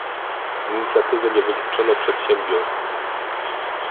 Z inicjatywy nie wykluczono przedsiębiorstw